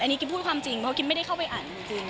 อันนี้กิ๊บพูดความจริงเพราะกิ๊บไม่ได้เข้าไปอ่านจริง